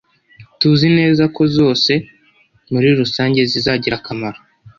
Tuzineza ko zose muri rusange zizagira akamaro